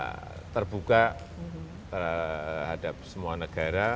kita terbuka terhadap semua negara